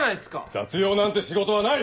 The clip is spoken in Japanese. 雑用なんて仕事はない！